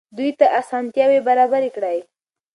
دوی ته اسانتیاوې برابرې کړئ.